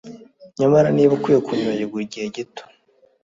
Nyamara niba ukwiye kunyibagirwa igihe gito